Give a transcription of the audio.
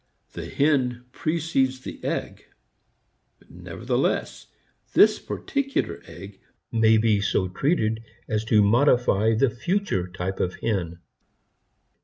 The hen precedes the egg. But nevertheless this particular egg may be so treated as to modify the future type of hen.